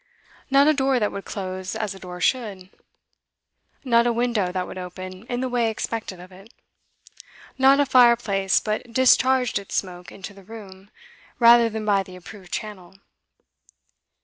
Not a door that would close as a door should; not a window that would open in the way expected of it; not a fireplace but discharged its smoke into the room, rather than by the approved channel.